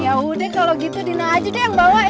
yaudah kalo gitu dina aja deh yang bawa ya